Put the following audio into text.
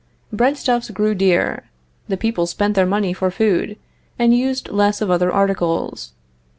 Breadstuffs grew dear, the people spent their money for food, and used less of other articles.